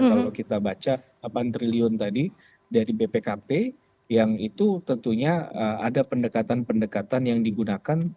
kalau kita baca delapan triliun tadi dari bpkp yang itu tentunya ada pendekatan pendekatan yang digunakan